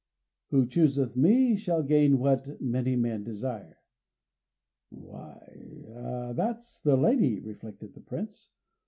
"Who chooseth me shall gain what many men desire." "Why, that's the lady," reflected the Prince.